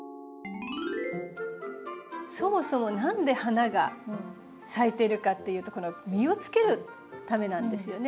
そもそも何で花が咲いてるかっていうとこの実をつけるためなんですよね。